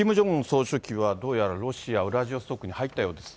総書記は、どうやらロシア・ウラジオストクに入ったようです。